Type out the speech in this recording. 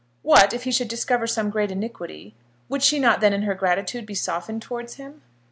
What, if he should discover some great iniquity; would she not then in her gratitude be softened towards him?